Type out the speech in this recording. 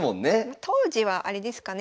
当時はあれですかね